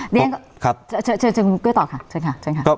เดี๋ยวเจอต่อค่ะ